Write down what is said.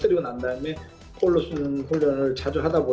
sekarang kita bisa membuat keputusan untuk menangkan gol